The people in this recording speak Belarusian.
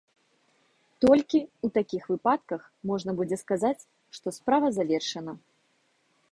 Толькі ў такіх выпадках можна будзе сказаць, што справа завершана.